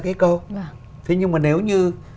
cái cầu thế nhưng mà nếu như